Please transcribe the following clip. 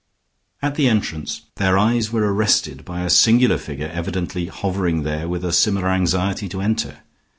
At the entrance their eyes were arrested by a singular figure evidently hovering there with a similar anxiety to enter.